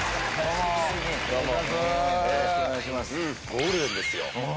ゴールデンですよ。